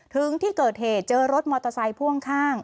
ถึงที่เกิดเหตุเจอรถมอเตอร์ไซค์พ่วงข้าง